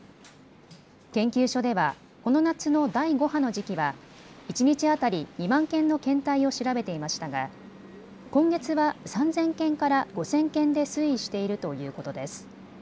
研究所では、この夏の第５波の時期は一日当たり２万件の検体を調べていましたが今月は３０００件から５０００件で推移しているということです。